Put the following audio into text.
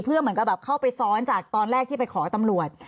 เพื่อเหมือนกับแบบเข้าไปซ้อนจากตอนแรกที่ไปขอตำรวจ